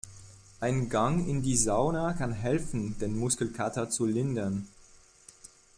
Ein Gang in die Sauna kann helfen, den Muskelkater zu lindern.